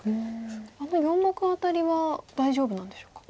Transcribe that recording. あの４目アタリは大丈夫なんでしょうか。